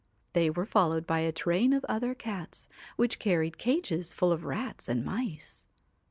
They were followed by a train of other cats, which carried cages full of rats and mice.